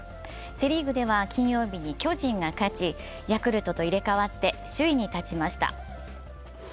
セ・リーグでは金曜日に巨人が勝ちヤクルトと入れ替わって首位に立ちました。